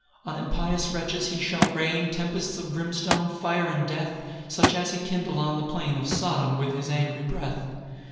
5 On impious wretches he shall rain Tempests of brimstone, fire, and death, Such as he kindled on the plain Of Sodom with his angry breath.